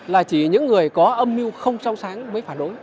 là chỉ những người có âm mưu không trong sáng mới phản đối